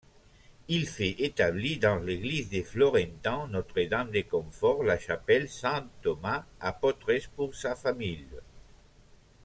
Il fait établir dans l'église des Florentins Notre-Dame-de-Confort, la chapelle Saint-Thomas-apôtre pour sa famille.